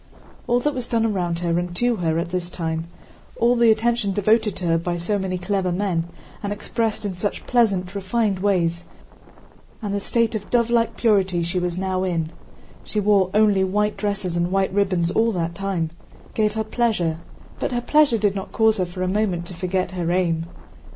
All that was done around her and to her at this time, all the attention devoted to her by so many clever men and expressed in such pleasant, refined ways, and the state of dove like purity she was now in (she wore only white dresses and white ribbons all that time) gave her pleasure, but her pleasure did not cause her for a moment to forget her aim.